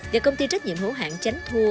và công ty trách nhiệm hữu hạng chánh thua